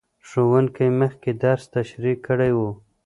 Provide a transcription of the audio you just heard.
ښوونکی مخکې درس تشریح کړی و.